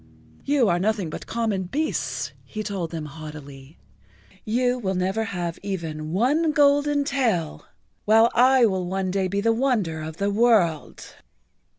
"You are nothing but common beasts," he told them haughtily. "You will never have even one golden tail, while I will one day be the wonder of the world."